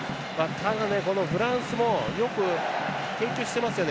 フランスもよく研究してますよね。